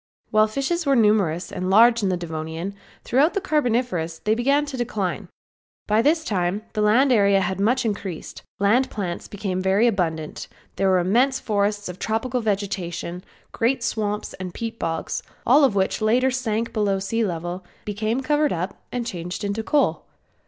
While fishes were numerous and large in the Devonian, throughout the Carboniferous they began to decline. By this time the land area had much increased, land plants became very abundant, there were immense forests of tropical vegetation, great swamps and peat bogs all of which later sank below sea level became covered up and changed into coal.